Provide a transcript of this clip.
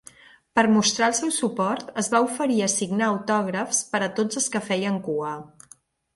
Per mostrar el seu suport, es va oferir a signar autògrafs per a tots els que feien cua.